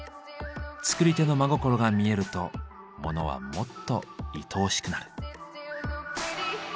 作り手の真心が見えるとモノはもっといとおしくなる。